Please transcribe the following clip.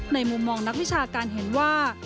มุมมองนักวิชาการเห็นว่า